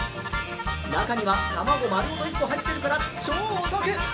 中には卵丸ごと１個入っているから超お得。